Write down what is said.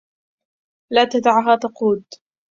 لا تدعها تقود.